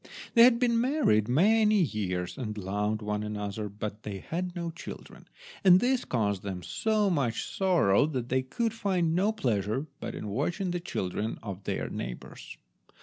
They had been married many years, and loved one another, but they had no children, and this caused them so much sorrow that they could find no pleasure but in watching the children of their neighbours.